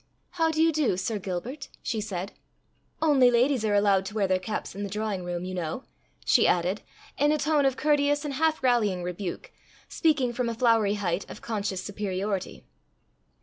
"How do you do, Sir Gilbert?" she said. "Only ladies are allowed to wear their caps in the drawing room, you know," she added, in a tone of courteous and half rallying rebuke, speaking from a flowery height of conscious superiority.